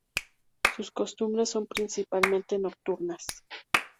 Sus costumbres son principalmente nocturnas.